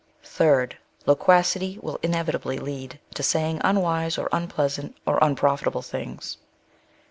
Third, loquacity will inevitably lead to saying un wise, or unpleasant, or unprofitable things.